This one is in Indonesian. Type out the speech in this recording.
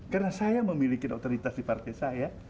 karena saya memiliki otoritas di partai saya